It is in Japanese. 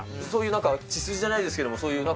そういうなんか、血筋じゃないですけど。